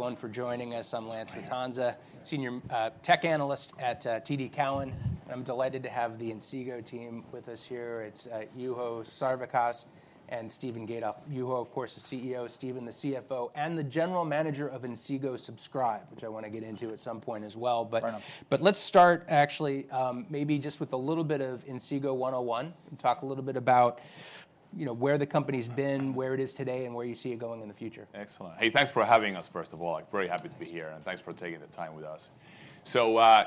Everyone for joining us. I'm Lance Vitanza, Senior Tech Analyst at TD Cowen. I'm delighted to have the Inseego team with us here. It's Juho Sarvikas and Stephen Gatoff. Juho, of course, is CEO; Stephen, the CFO; and the General Manager of Inseego Subscribe, which I want to get into at some point as well. Let's start, actually, maybe just with a little bit of Inseego 101 and talk a little bit about where the company's been, where it is today, and where you see it going in the future. Excellent. Hey, thanks for having us, first of all. Very happy to be here, and thanks for taking the time with us.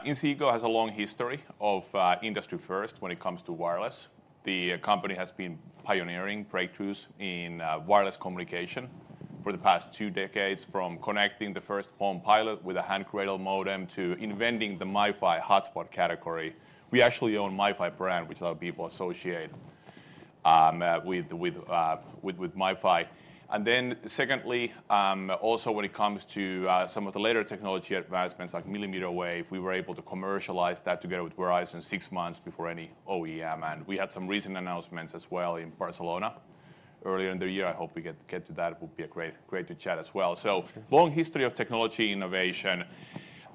Inseego has a long history of industry firsts when it comes to wireless. The company has been pioneering breakthroughs in wireless communication for the past two decades, from connecting the first home pilot with a hand-cradle modem to inventing the MiFi hotspot category. We actually own the MiFi brand, which a lot of people associate with MiFi. Also, when it comes to some of the later technology advancements, like millimeter wave, we were able to commercialize that together with Verizon six months before any OEM. We had some recent announcements as well in Barcelona earlier in the year. I hope we get to that. It would be great to chat as well. Long history of technology innovation.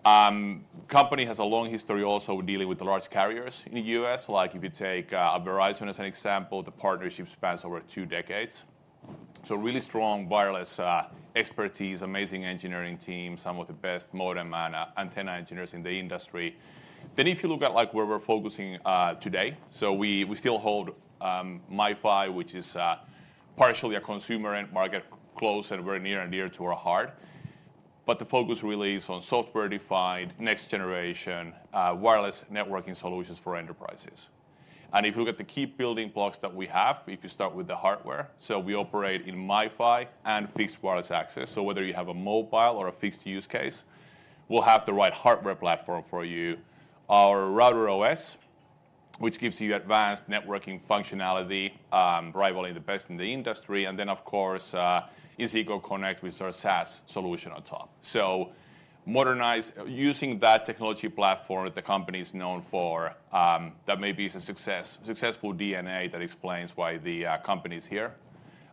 The company has a long history also dealing with the large carriers in the U.S. If you take Verizon as an example, the partnership spans over two decades. Really strong wireless expertise, amazing engineering team, some of the best modem and antenna engineers in the industry. If you look at where we're focusing today, we still hold MiFi, which is partially a consumer end market close and we're near and dear to our heart. The focus really is on software-defined, next-generation wireless networking solutions for enterprises. If you look at the key building blocks that we have, if you start with the hardware, we operate in MiFi and fixed wireless access. Whether you have a mobile or a fixed use case, we'll have the right hardware platform for you. Our router OS, which gives you advanced networking functionality, rivaling the best in the industry. Of course, Inseego Connect with our SaaS solution on top. Using that technology platform that the company is known for, that maybe is a successful DNA that explains why the company is here.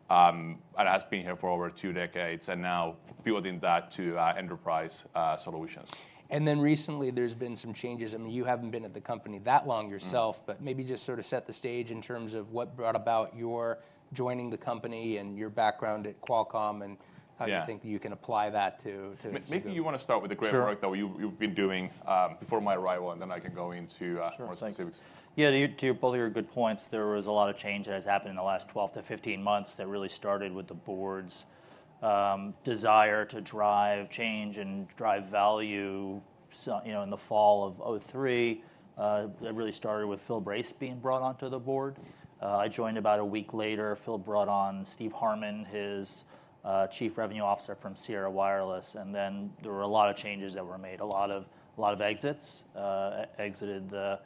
It has been here for over two decades and now building that to enterprise solutions. Recently, there's been some changes. I mean, you haven't been at the company that long yourself, but maybe just sort of set the stage in terms of what brought about your joining the company and your background at Qualcomm and how you think you can apply that to. Maybe you want to start with the great work that we've been doing before my arrival, and then I can go into more specifics. Yeah, to both of your good points, there was a lot of change that has happened in the last 12 months to 15 months that really started with the board's desire to drive change and drive value in the fall of 2003. It really started with Phil Brace being brought onto the board. I joined about a week later. Phil brought on Steve Harmon, his Chief Revenue Officer from Sierra Wireless. There were a lot of changes that were made, a lot of exits. Exited the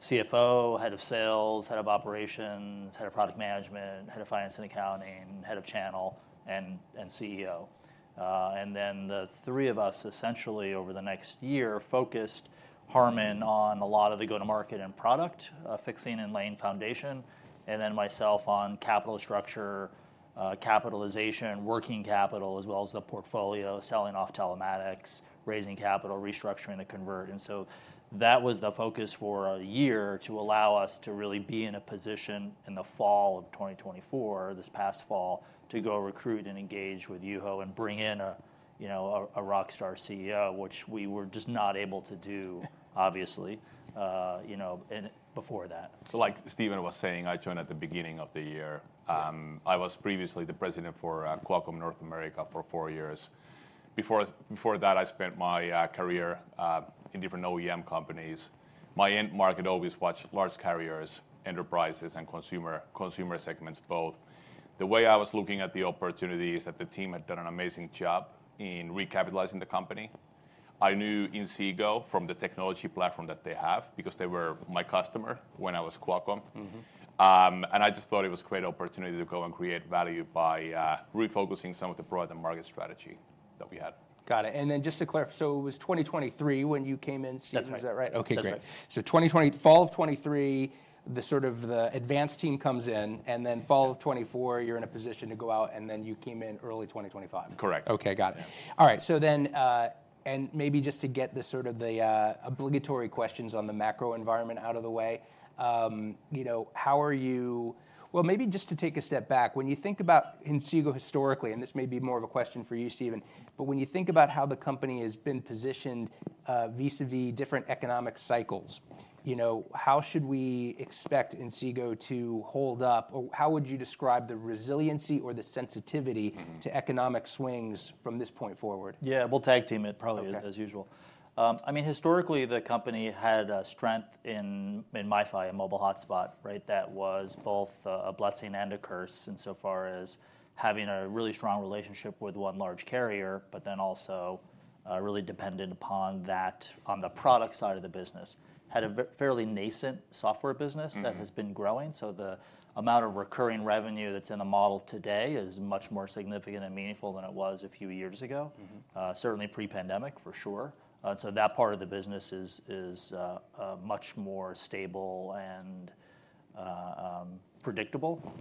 CFO, Head of Sales, Head of Operations, Head of Product Management, Head of Finance and Accounting, Head of Channel, and CEO. The three of us essentially over the next year focused Harmon on a lot of the go-to-market and product fixing and laying foundation, and then myself on capital structure, capitalization, working capital, as well as the portfolio, selling off telematics, raising capital, restructuring the convert. That was the focus for a year to allow us to really be in a position in the fall of 2024, this past fall, to go recruit and engage with Juho and bring in a rock star CEO, which we were just not able to do, obviously, before that. Like Stephen was saying, I joined at the beginning of the year. I was previously the president for Qualcomm North America for four years. Before that, I spent my career in different OEM companies. My end market always watched large carriers, enterprises, and consumer segments both. The way I was looking at the opportunity is that the team had done an amazing job in recapitalizing the company. I knew Inseego from the technology platform that they have because they were my customer when I was at Qualcomm. I just thought it was a great opportunity to go and create value by refocusing some of the broader market strategy that we had. Got it. And then just to clarify, so it was 2023 when you came in season, is that right? That's right. Okay, great. So fall of 2023, the advanced team comes in, and then fall of 2024, you're in a position to go out, and then you came in early 2025. Correct. Okay, got it. All right. Maybe just to get the sort of obligatory questions on the macro environment out of the way, how are you? Maybe just to take a step back, when you think about Inseego historically, and this may be more of a question for you, Stephen, but when you think about how the company has been positioned vis-à-vis different economic cycles, how should we expect Inseego to hold up? Or how would you describe the resiliency or the sensitivity to economic swings from this point forward? Yeah, we'll tag team it probably as usual. I mean, historically, the company had strength in MiFi, a mobile hotspot, that was both a blessing and a curse insofar as having a really strong relationship with one large carrier, but then also really dependent upon that on the product side of the business. Had a fairly Nascent software business that has been growing. The amount of recurring revenue that's in the model today is much more significant and meaningful than it was a few years ago, certainly pre-pandemic, for sure. That part of the business is much more stable and predictable.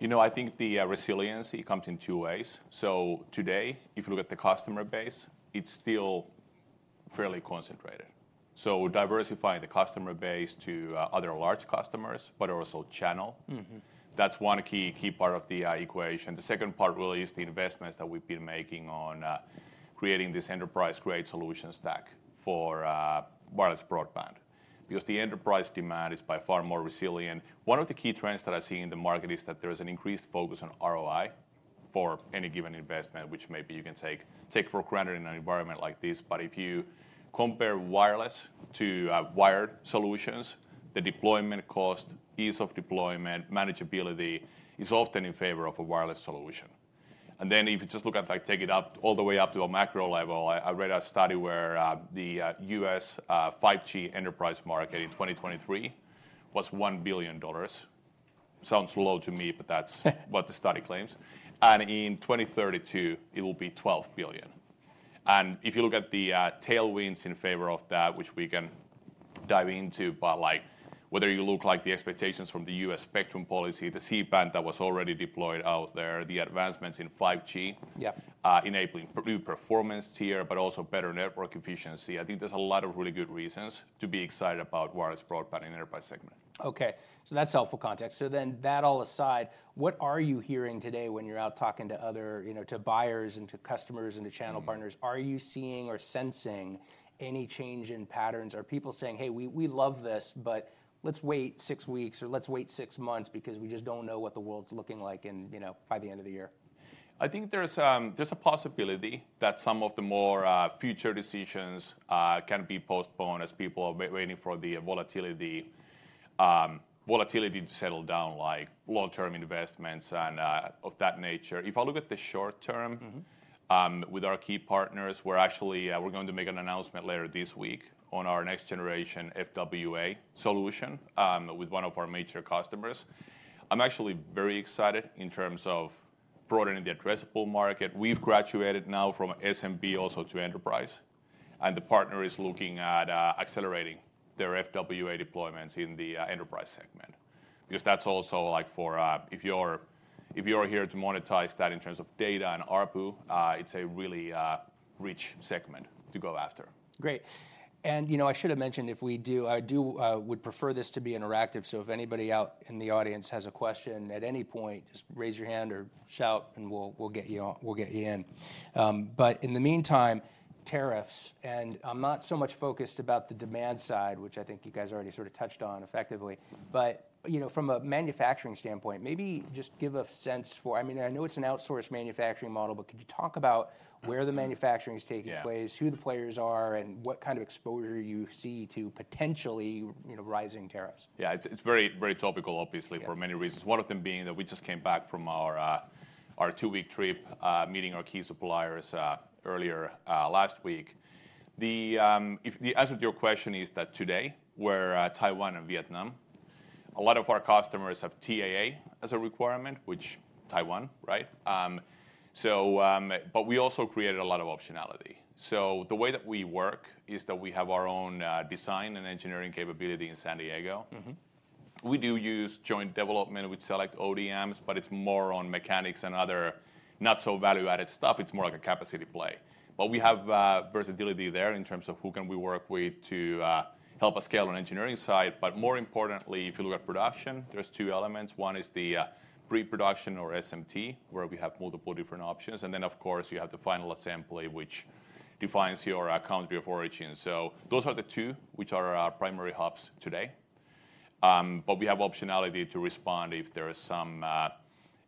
You know, I think the resiliency comes in two ways. Today, if you look at the customer base, it's still fairly concentrated. Diversifying the customer base to other large customers, but also channel, that's one key part of the equation. The second part really is the investments that we've been making on creating this enterprise-grade solution stack for wireless broadband because the enterprise demand is by far more resilient. One of the key trends that I see in the market is that there is an increased focus on ROI for any given investment, which maybe you can take for granted in an environment like this. If you compare wireless to wired solutions, the deployment cost, ease of deployment, manageability is often in favor of a wireless solution. If you just look at, take it up all the way up to a macro level, I read a study where the U.S. 5G enterprise market in 2023 was $1 billion. Sounds low to me, but that's what the study claims. In 2032, it will be $12 billion. If you look at the tailwinds in favor of that, which we can dive into, whether you look like the expectations from the U.S. spectrum policy, the CBRS that was already deployed out there, the advancements in 5G, enabling new performance tier, but also better network efficiency, I think there's a lot of really good reasons to be excited about wireless broadband in the enterprise segment. Okay, so that's helpful context. That all aside, what are you hearing today when you're out talking to buyers and to customers and to channel partners? Are you seeing or sensing any change in patterns? Are people saying, "Hey, we love this, but let's wait six weeks or let's wait six months because we just don't know what the world's looking like by the end of the year? I think there's a possibility that some of the more future decisions can be postponed as people are waiting for the volatility to settle down, like long-term investments and of that nature. If I look at the short term, with our key partners, we're actually going to make an announcement later this week on our next-generation FWA solution with one of our major customers. I'm actually very excited in terms of broadening the addressable market. We've graduated now from SMB also to enterprise. The partner is looking at accelerating their FWA deployments in the enterprise segment because that's also for if you're here to monetize that in terms of data and ARPU, it's a really rich segment to go after. Great. I should have mentioned if we do, I would prefer this to be interactive. If anybody out in the audience has a question at any point, just raise your hand or shout and we'll get you in. In the meantime, tariffs. I'm not so much focused about the demand side, which I think you guys already sort of touched on effectively. From a manufacturing standpoint, maybe just give a sense for, I mean, I know it's an outsourced manufacturing model, but could you talk about where the manufacturing is taking place, who the players are, and what kind of exposure you see to potentially rising tariffs? Yeah, it's very topical, obviously, for many reasons. One of them being that we just came back from our two-week trip meeting our key suppliers earlier last week. The answer to your question is that today we're Taiwan and Vietnam. A lot of our customers have TAA as a requirement, which Taiwan, right? We also created a lot of optionality. The way that we work is that we have our own design and engineering capability in San Diego. We do use joint development with select ODMs, but it's more on mechanics and other not-so-value-added stuff. It's more like a capacity play. We have versatility there in terms of who can we work with to help us scale on engineering side. More importantly, if you look at production, there's two elements. One is the pre-production or SMT, where we have multiple different options. You have the final assembly, which defines your country of origin. Those are the two which are our primary hubs today. We have optionality to respond if there is some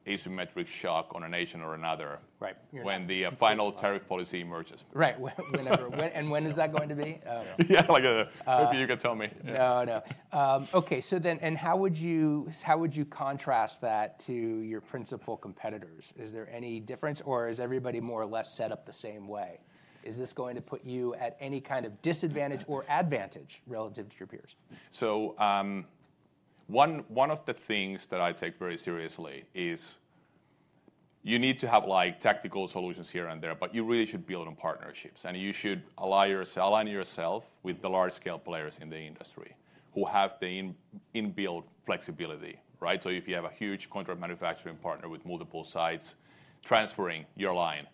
asymmetric shock on a nation or another when the final tariff policy emerges. Right. When is that going to be? Yeah, maybe you can tell me. No, no. Okay, so then how would you contrast that to your principal competitors? Is there any difference, or is everybody more or less set up the same way? Is this going to put you at any kind of disadvantage or advantage relative to your peers? One of the things that I take very seriously is you need to have tactical solutions here and there, but you really should build on partnerships. You should align yourself with the large-scale players in the industry who have the in-built flexibility. If you have a huge contract manufacturing partner with multiple sites, transferring your line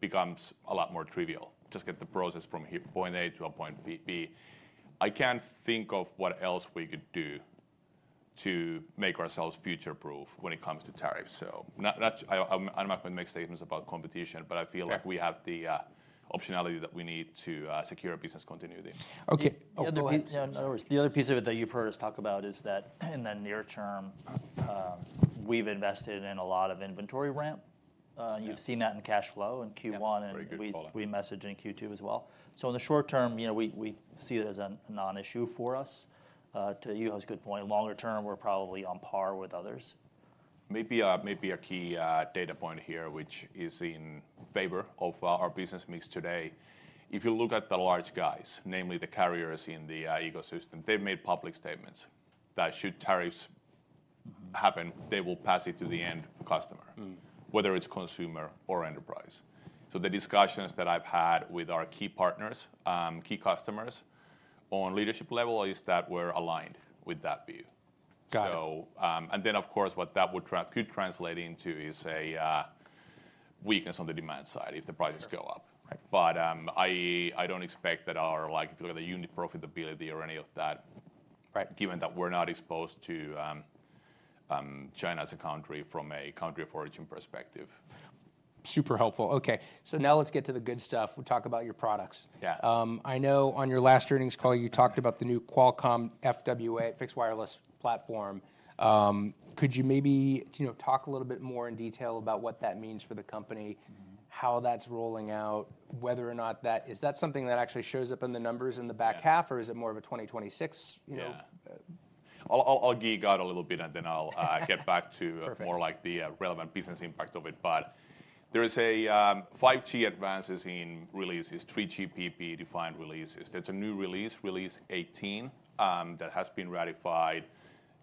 becomes a lot more trivial. Just get the process from point A to point B. I cannot think of what else we could do to make ourselves future-proof when it comes to tariffs. I am not going to make statements about competition, but I feel like we have the optionality that we need to secure business continuity. Okay. The other piece of it that you've heard us talk about is that in the near term, we've invested in a lot of inventory ramp. You've seen that in cash flow in Q1, and we messaged in Q2 as well. In the short term, we see it as a non-issue for us. To Juho's good point, longer term, we're probably on par with others. Maybe a key data point here, which is in favor of our business mix today. If you look at the large guys, namely the carriers in the ecosystem, they've made public statements that should tariffs happen, they will pass it to the end customer, whether it's consumer or enterprise. The discussions that I've had with our key partners, key customers on leadership level is that we're aligned with that view. Of course, what that could translate into is a weakness on the demand side if the prices go up. I don't expect that our, if you look at the unit profitability or any of that, given that we're not exposed to China as a country from a country of origin perspective. Super helpful. Okay, so now let's get to the good stuff. We'll talk about your products. I know on your last earnings call, you talked about the new Qualcomm FWA Fixed Wireless platform. Could you maybe talk a little bit more in detail about what that means for the company, how that's rolling out, whether or not that is that something that actually shows up in the numbers in the back half, or is it more of a 2026? I'll geek out a little bit, and then I'll get back to more like the relevant business impact of it. There is a 5G advances in releases, 3GPP defined releases. That's a new release, release 18, that has been ratified.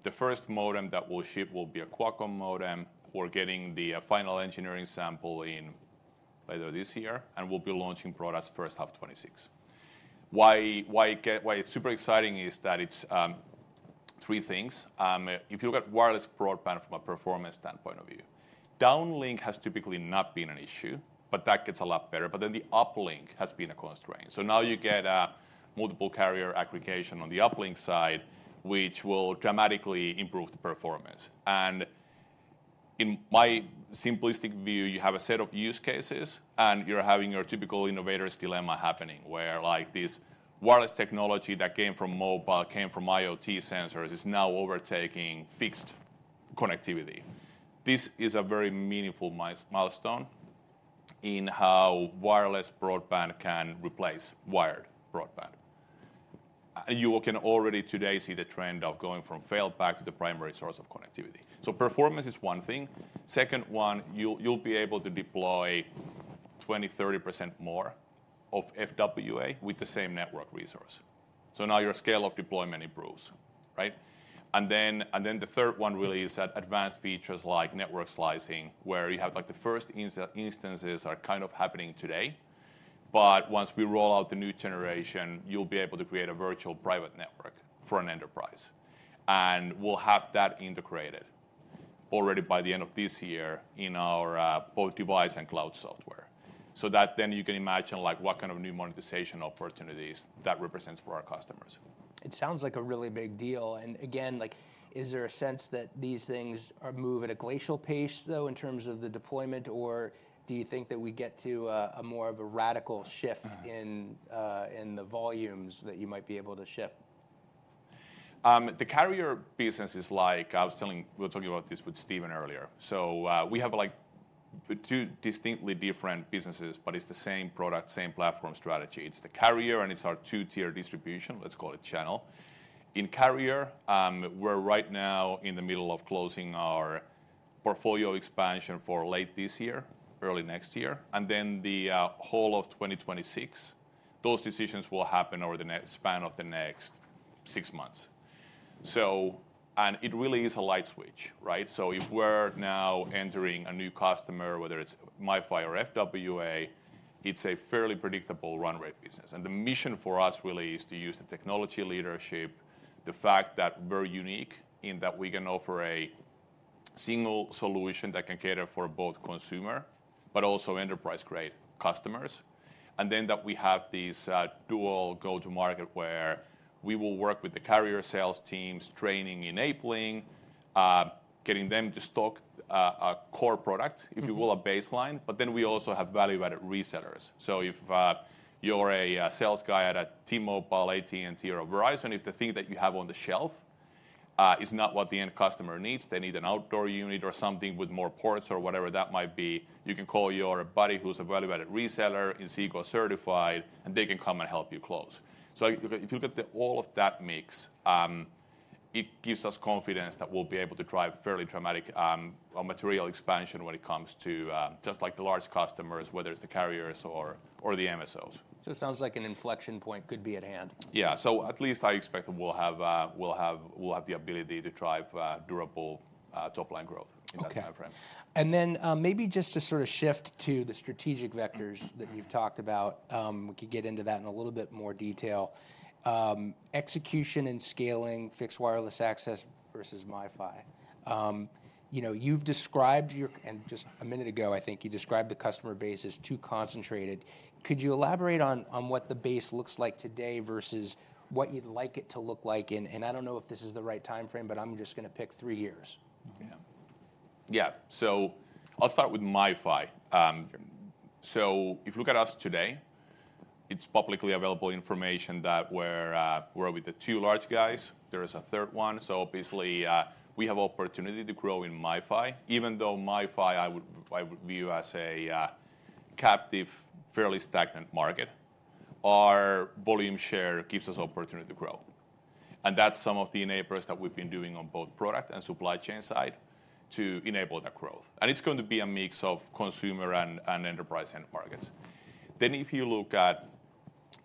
The first modem that we'll ship will be a Qualcomm modem. We're getting the final engineering sample in later this year, and we'll be launching products first of 2026. Why it's super exciting is that it's three things. If you look at wireless broadband from a performance standpoint of view, downlink has typically not been an issue, but that gets a lot better. The uplink has been a constraint. Now you get multiple carrier aggregation on the uplink side, which will dramatically improve the performance. In my simplistic view, you have a set of use cases, and you're having your typical innovator's dilemma happening where this wireless technology that came from mobile, came from IoT sensors, is now overtaking fixed connectivity. This is a very meaningful milestone in how wireless broadband can replace wired broadband. You can already today see the trend of going from failed back to the primary source of connectivity. Performance is one thing. Second, you'll be able to deploy 20%-30% more of FWA with the same network resource. Now your scale of deployment improves. The third one really is that advanced features like network slicing, where you have the first instances are kind of happening today. Once we roll out the new generation, you'll be able to create a virtual private network for an enterprise. We'll have that integrated already by the end of this year in our both device and cloud software. You can imagine what kind of new monetization opportunities that represents for our customers. It sounds like a really big deal. Again, is there a sense that these things move at a glacial pace, though, in terms of the deployment, or do you think that we get to more of a radical shift in the volumes that you might be able to shift? The carrier business is like, I was telling, we were talking about this with Stephen earlier. We have two distinctly different businesses, but it's the same product, same platform strategy. It's the carrier, and it's our two-tier distribution. Let's call it channel. In carrier, we're right now in the middle of closing our portfolio expansion for late this year, early next year. The whole of 2026, those decisions will happen over the span of the next six months. It really is a light switch. If we're now entering a new customer, whether it's MiFi or FWA, it's a fairly predictable run rate business. The mission for us really is to use the technology leadership, the fact that we're unique in that we can offer a single solution that can cater for both consumer, but also enterprise-grade customers. We have this dual go-to-market where we will work with the carrier sales teams, training, enabling, getting them to stock a core product, if you will, a baseline. We also have value-added resellers. If you're a sales guy at a T-Mobile, AT&T, or Verizon, if the thing that you have on the shelf is not what the end customer needs, they need an outdoor unit or something with more ports or whatever that might be, you can call your buddy who's a value-added reseller, Inseego certified, and they can come and help you close. If you look at all of that mix, it gives us confidence that we'll be able to drive fairly dramatic material expansion when it comes to just the large customers, whether it's the carriers or the MSOs. It sounds like an inflection point could be at hand. Yeah, so at least I expect that we'll have the ability to drive durable top-line growth in that timeframe. Okay. And then maybe just to sort of shift to the strategic vectors that you've talked about, we could get into that in a little bit more detail. Execution and scaling Fixed Wireless Access versus MiFi. You've described your, and just a minute ago, I think you described the customer base as too concentrated. Could you elaborate on what the base looks like today versus what you'd like it to look like? I don't know if this is the right timeframe, but I'm just going to pick three years. Yeah, so I'll start with MiFi. If you look at us today, it's publicly available information that we're with the two large guys. There is a third one. Obviously, we have opportunity to grow in MiFi, even though MiFi I would view as a captive, fairly stagnant market. Our volume share gives us opportunity to grow. That's some of the enablers that we've been doing on both product and supply chain side to enable that growth. It's going to be a mix of consumer and enterprise end markets. If you look at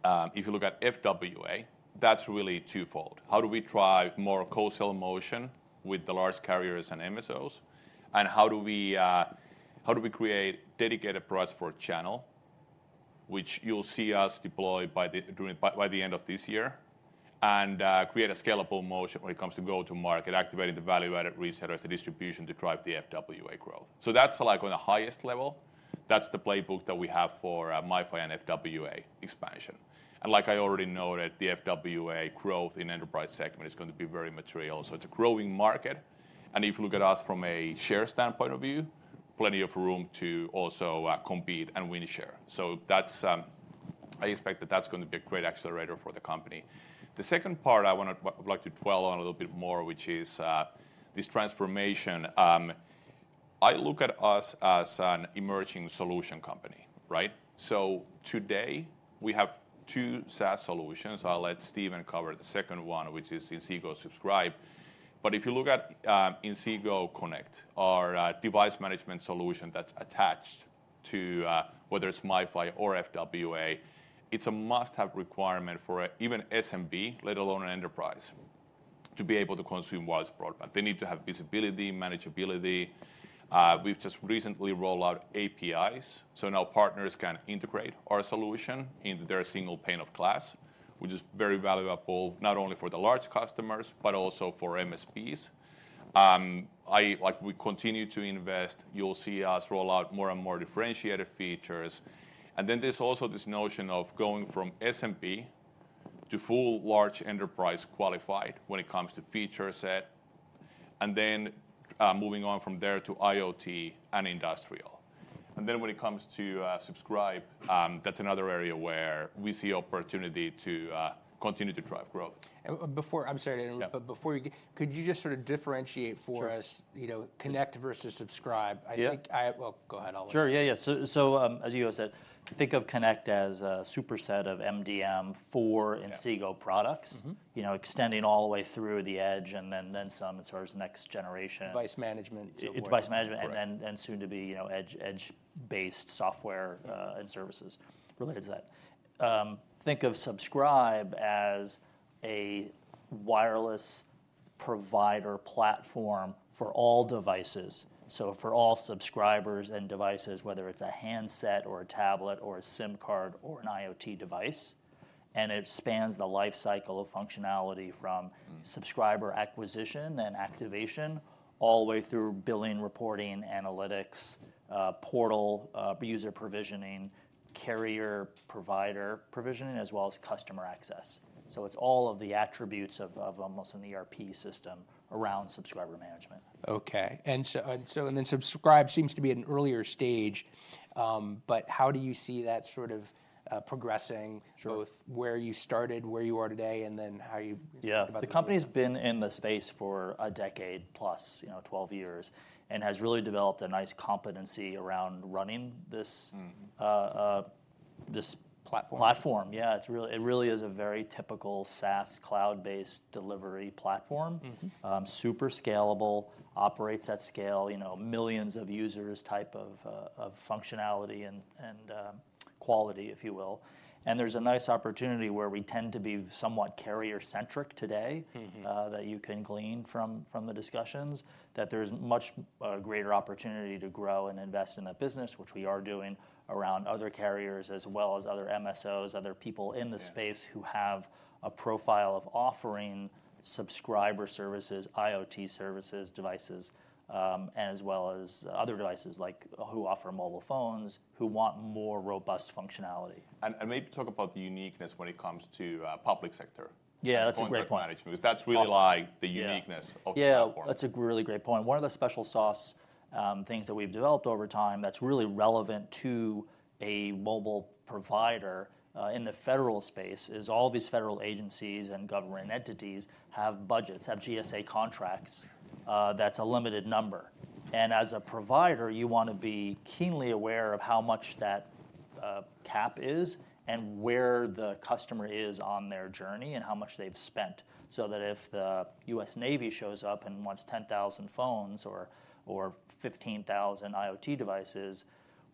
FWA, that's really twofold. How do we drive more co-sell motion with the large carriers and MSOs? How do we create dedicated products for channel, which you'll see us deploy by the end of this year and create a scalable motion when it comes to go-to-market, activating the value-added resellers, the distribution to drive the FWA growth? At the highest level, that's the playbook that we have for MiFi and FWA expansion. Like I already noted, the FWA growth in the enterprise segment is going to be very material. It is a growing market. If you look at us from a share standpoint of view, there is plenty of room to also compete and win share. I expect that is going to be a great accelerator for the company. The second part I would like to dwell on a little bit more is this transformation. I look at us as an emerging solution company. Today, we have two SaaS solutions. I'll let Stephen cover the second one, which is Inseego Subscribe. If you look at Inseego Connect, our device management solution that's attached to whether it's MiFi or FWA, it's a must-have requirement for even SMB, let alone an enterprise, to be able to consume wireless broadband. They need to have visibility, manageability. We've just recently rolled out APIs, so now partners can integrate our solution into their single pane of glass, which is very valuable not only for the large customers, but also for MSPs. We continue to invest. You'll see us roll out more and more differentiated features. There is also this notion of going from SMB to full large enterprise qualified when it comes to feature set, and then moving on from there to IoT and industrial. When it comes to Subscribe, that's another area where we see opportunity to continue to drive growth. I'm sorry, but before we get, could you just sort of differentiate for us Connect versus Subscribe? I think, go ahead. Sure, yeah, yeah. As you said, think of Connect as a superset of MDM for Inseego products, extending all the way through the edge and then some as far as next generation. Device management. Device management, and then soon to be edge-based software and services related to that. Think of Subscribe as a wireless provider platform for all devices. For all subscribers and devices, whether it's a handset or a tablet or a SIM card or an IoT device. It spans the lifecycle of functionality from subscriber acquisition and activation all the way through billing, reporting, analytics, portal, user provisioning, carrier provider provisioning, as well as customer access. It is all of the attributes of almost an ERP system around subscriber management. Okay. Subscribe seems to be an earlier stage, but how do you see that sort of progressing, both where you started, where you are today, and then how you think about that? The company has been in the space for a decade plus, 12 years, and has really developed a nice competency around running this. Platform. Platform, yeah. It really is a very typical SaaS cloud-based delivery platform, super scalable, operates at scale, millions of users type of functionality and quality, if you will. There is a nice opportunity where we tend to be somewhat carrier-centric today that you can glean from the discussions, that there is much greater opportunity to grow and invest in that business, which we are doing around other carriers as well as other MSOs, other people in the space who have a profile of offering subscriber services, IoT services, devices, as well as other devices who offer mobile phones, who want more robust functionality. Maybe talk about the uniqueness when it comes to public sector. Yeah, that's a great point. Management, because that's really like the uniqueness of the platform. Yeah, that's a really great point. One of the special sauce things that we've developed over time that's really relevant to a mobile provider in the federal space is all these federal agencies and government entities have budgets, have GSA contracts. That's a limited number. As a provider, you want to be keenly aware of how much that cap is and where the customer is on their journey and how much they've spent. If the U.S. Navy shows up and wants 10,000 phones or 15,000 IoT devices,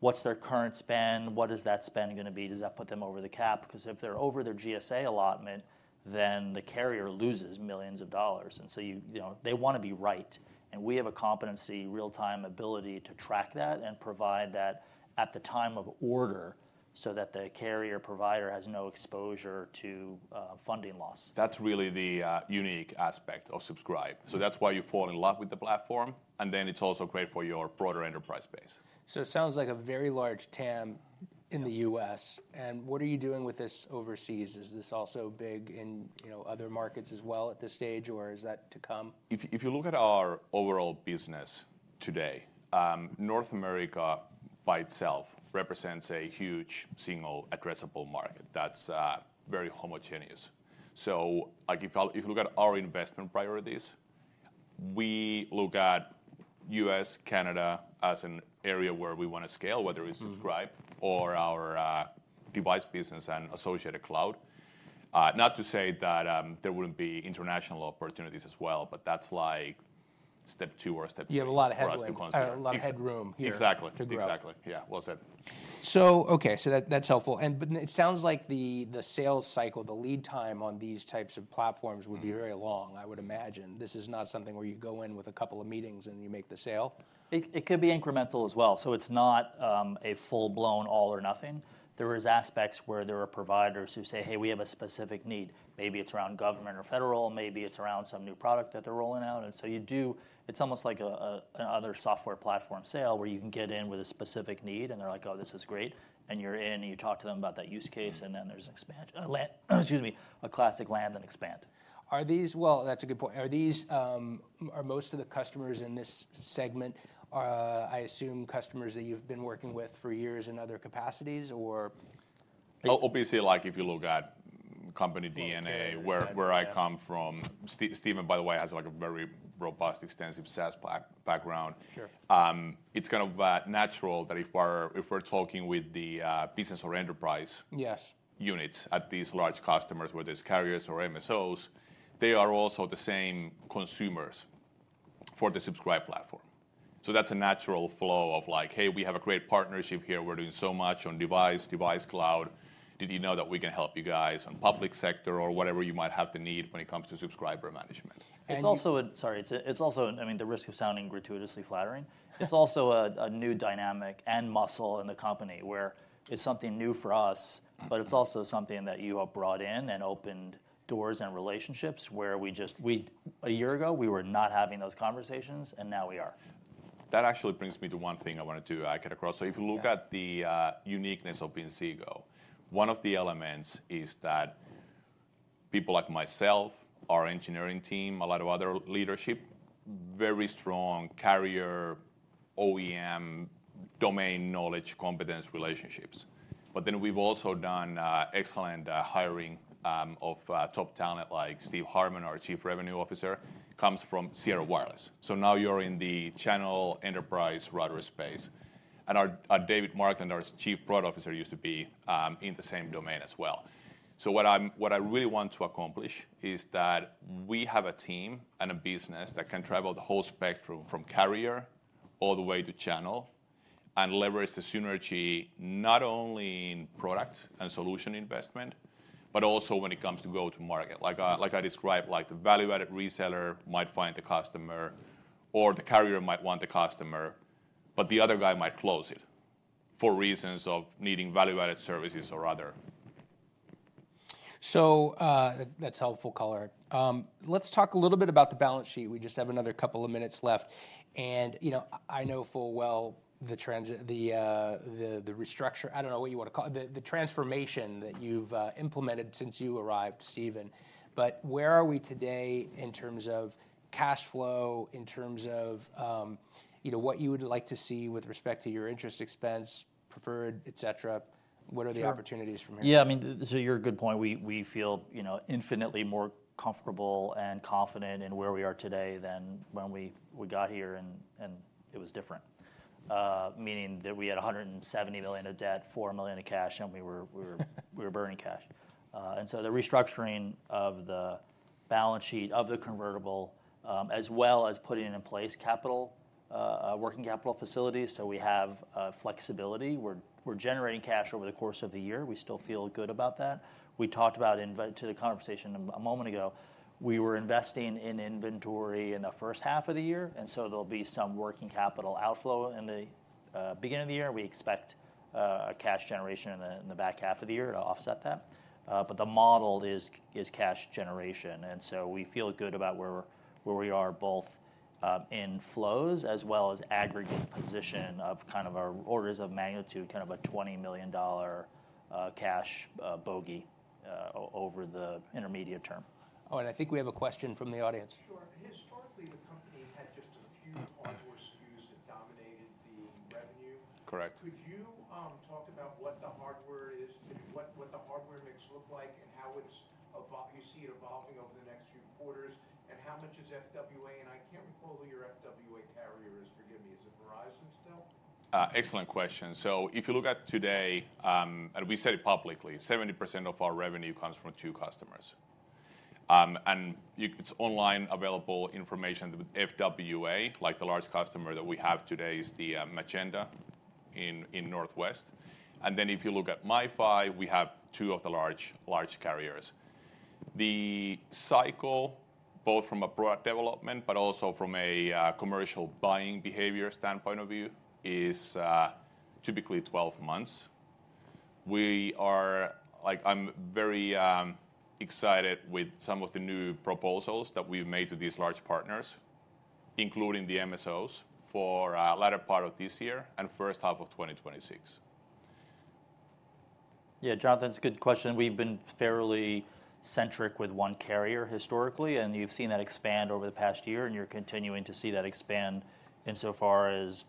what's their current spend? What is that spend going to be? Does that put them over the cap? If they're over their GSA allotment, then the carrier loses millions of dollars. They want to be right. We have a competency real-time ability to track that and provide that at the time of order so that the carrier provider has no exposure to funding loss. That's really the unique aspect of Subscribe. That's why you fall in love with the platform. It's also great for your broader enterprise space. It sounds like a very large TAM in the U.S. And what are you doing with this overseas? Is this also big in other markets as well at this stage, or is that to come? If you look at our overall business today, North America by itself represents a huge single addressable market. That's very homogeneous. If you look at our investment priorities, we look at U.S., Canada as an area where we want to scale, whether it's Subscribe or our device business and associated cloud. Not to say that there wouldn't be international opportunities as well, but that's like step two or step three. You have a lot of headroom. A lot of headroom. Exactly. Exactly. Yeah, well said. Okay, that's helpful. It sounds like the sales cycle, the lead time on these types of platforms would be very long, I would imagine. This is not something where you go in with a couple of meetings and you make the sale. It could be incremental as well. It is not a full-blown all or nothing. There are aspects where there are providers who say, "Hey, we have a specific need." Maybe it is around government or federal. Maybe it is around some new product that they are rolling out. You do, it is almost like another software platform sale where you can get in with a specific need and they are like, "Oh, this is great." You are in and you talk to them about that use case and then there is an expansion, excuse me, a classic land and expand. That's a good point. Are most of the customers in this segment, I assume, customers that you've been working with for years in other capacities, or? Obviously, if you look at company DNA, where I come from, Stephen, by the way, has a very robust, extensive SaaS background. It's kind of natural that if we're talking with the business or enterprise units at these large customers, whether it's carriers or MSOs, they are also the same consumers for the Subscribe platform. That's a natural flow of like, "Hey, we have a great partnership here. We're doing so much on device, device cloud. Did you know that we can help you guys on public sector or whatever you might have to need when it comes to subscriber management? It is also, sorry, it is also, I mean, the risk of sounding gratuitously flattering. It is also a new dynamic and muscle in the company where it is something new for us, but it is also something that you have brought in and opened doors and relationships where we just, a year ago, we were not having those conversations and now we are. That actually brings me to one thing I wanted to get across. If you look at the uniqueness of Inseego, one of the elements is that people like myself, our engineering team, a lot of other leadership, very strong carrier OEM domain knowledge, competence, relationships. We have also done excellent hiring of top talent like Steve Harmon, our Chief Revenue Officer, comes from Sierra Wireless. Now you're in the channel enterprise router space. David Markland, our Chief Product Officer, used to be in the same domain as well. What I really want to accomplish is that we have a team and a business that can travel the whole spectrum from carrier all the way to channel and leverage the synergy not only in product and solution investment, but also when it comes to go-to-market. Like I described, the value-added reseller might find the customer or the carrier might want the customer, but the other guy might close it for reasons of needing value-added services or other. That's helpful color. Let's talk a little bit about the balance sheet. We just have another couple of minutes left. I know full well the restructure, I do not know what you want to call it, the transformation that you have implemented since you arrived, Stephen. Where are we today in terms of cash flow, in terms of what you would like to see with respect to your interest expense, preferred, etc.? What are the opportunities from here? Yeah, I mean, to your good point, we feel infinitely more comfortable and confident in where we are today than when we got here and it was different. Meaning that we had $170 million of debt, $4 million of cash, and we were burning cash. The restructuring of the balance sheet of the convertible, as well as putting in place capital, working capital facilities so we have flexibility. We are generating cash over the course of the year. We still feel good about that. We talked about in the conversation a moment ago, we were investing in inventory in the first half of the year. There will be some working capital outflow in the beginning of the year. We expect cash generation in the back half of the year to offset that. The model is cash generation. We feel good about where we are both in flows as well as aggregate position of kind of our orders of magnitude, kind of a $20 million cash bogey over the intermediate term. Oh, and I think we have a question from the audience. Sure. Historically, the company had just a few hardware SKUs that dominated the revenue. Correct. Could you talk about what the hardware is, what the hardware mix looks like and how you see it evolving over the next few quarters? How much is FWA? I cannot recall who your FWA carrier is, forgive me. Is it Verizon still? Excellent question. If you look at today, and we said it publicly, 70% of our revenue comes from two customers. It is online available information with FWA, like the large customer that we have today is the Magenta in Northwest. If you look at MiFi, we have two of the large carriers. The cycle, both from a product development, but also from a commercial buying behavior standpoint of view, is typically 12 months. I'm very excited with some of the new proposals that we've made to these large partners, including the MSOs for the latter part of this year and first half of 2026. Yeah, Jonathan, it's a good question. We've been fairly centric with one carrier historically, and you've seen that expand over the past year, and you're continuing to see that expand insofar as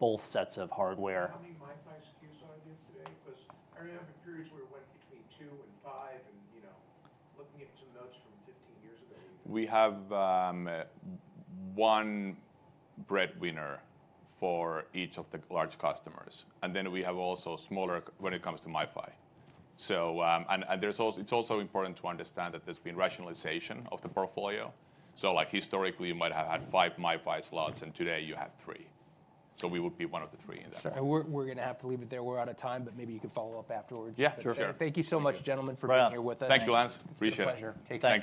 both sets of hardware. How many MiFi SKUs are there today? Because I remember periods where it went between two and five and looking at some notes from 15 years ago. We have one breadwinner for each of the large customers. Then we have also smaller when it comes to MiFi. It is also important to understand that there has been rationalization of the portfolio. Historically, you might have had five MiFi slots, and today you have three. We would be one of the three in that. We're going to have to leave it there. We're out of time, but maybe you can follow up afterwards. Yeah, sure. Thank you so much, gentlemen, for being here with us. Thank you, Lance. Appreciate it. Pleasure. Take care.